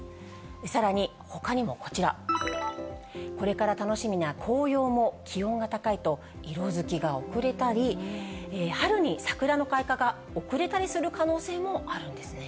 さらにほかにもこちら、これから楽しみな紅葉も、気温が高いと色づきが遅れたり、春に桜の開花が遅れたりする可能性もあるんですね。